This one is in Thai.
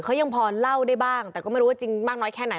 เขายังพอเล่าได้บ้างแต่ก็ไม่รู้ว่าจริงมากน้อยแค่ไหน